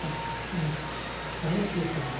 うん何しに来たの。